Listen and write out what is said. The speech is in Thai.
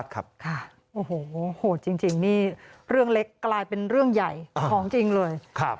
กลายเป็นเรื่องใหญ่ของจริงเลย